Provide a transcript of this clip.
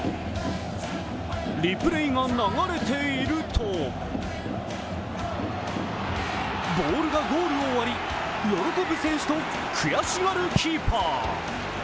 リプレーが流れているとボールがゴールを割り、喜ぶ選手と悔しがるキーパー。